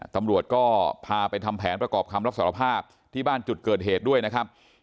ตำรวจก็พาไปทำแผนประกอบคำรับสารภาพที่บ้านจุดเกิดเหตุด้วยนะครับ